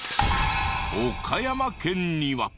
岡山県には。